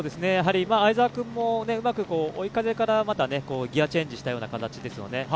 相澤君もうまく追い風からギヤチェンジしたような形ですよね。